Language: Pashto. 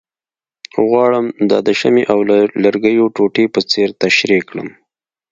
غواړم دا د شمعې او لرګیو ټوټې په څېر تشریح کړم،